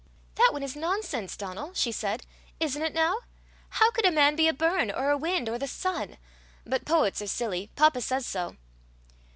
"That one is nonsense, Donal," she said. "Isn't it now? How could a man be a burn, or a wind, or the sun? But poets are silly. Papa says so."